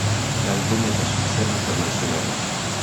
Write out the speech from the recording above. L'album est un succès international.